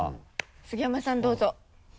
杉山さんどうぞ。